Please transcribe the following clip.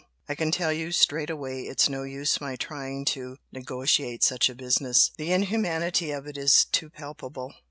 I can tell you straight away it's no use my trying to negotiate such a business, The inhumanity of it is to palpable."